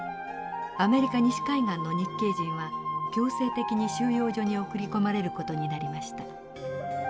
アメリカ西海岸の日系人は強制的に収容所に送り込まれる事になりました。